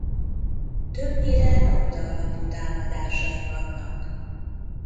Többnyire labda-alapú támadásai vannak.